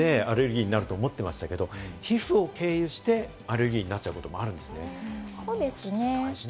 鼻から吸い込んでアレルギーになると思ってましたけれども、皮膚を経由してアレルギーになっちゃうこともあるんですね。